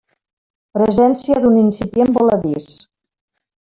Presència d'un incipient voladís.